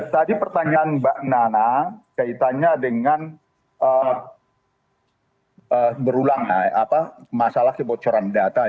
tadi pertanyaan mbak nana kaitannya dengan berulang masalah kebocoran data